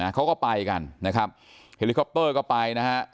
เขาก็ไปกันนะครับเฮลิคอปเตอร์ก็ไปนะฮะ